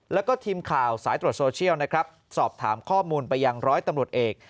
แล้วก็ทีมข่าวสายตรวจโซเชียลนะครับสอบถามข้อมูลไปยังร้อยตำรวจเอก